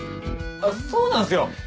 そうなんすよ！